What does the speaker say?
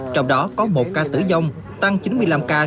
trong đó có một ca tử vong tăng chín mươi năm ca